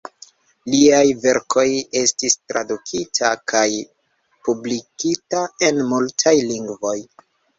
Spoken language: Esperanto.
Liaj verkoj estis tradukita kaj publikita en multaj lingvoj.